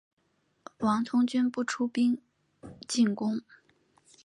王通均不出兵进攻。